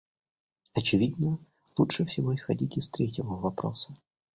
Очевидно, лучше всего исходить из третьего вопроса.